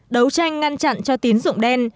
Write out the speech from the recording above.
đấu tranh ngăn chặn cho tín dụng đen